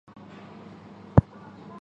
因时因势调整工作着力点和应对举措